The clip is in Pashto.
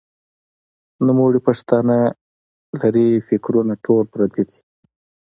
نومونه پښتانۀ لــري فکـــــــــــرونه ټول پردي دي